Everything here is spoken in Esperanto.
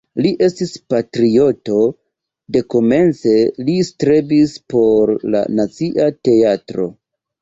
Li estis patrioto, dekomence li strebis por la Nacia Teatro.